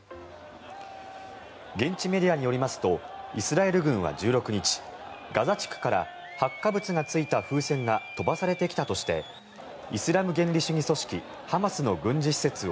現地メディアによりますとイスラエル軍は１６日ガザ地区から発火物がついた風船が飛ばされてきたとしてイスラム原理主義組織ハマスの軍事施設を